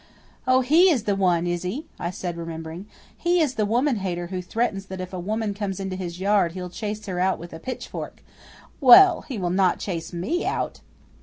"Oh, he is the one, is he?" I said, remembering. "He is the woman hater who threatens that if a woman comes into his yard he'll chase her out with a pitch fork. Well, he will not chase ME out!"